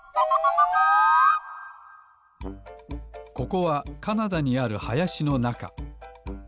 ここはカナダにあるはやしのなか。